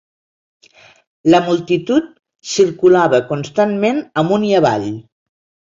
La multitud circulava constantment amunt i avall